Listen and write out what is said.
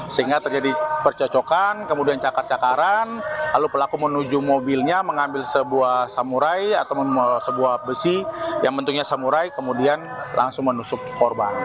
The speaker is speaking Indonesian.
sehingga terjadi percocokan kemudian cakar cakaran lalu pelaku menuju mobilnya mengambil sebuah samurai atau sebuah besi yang bentuknya samurai kemudian langsung menusuk korban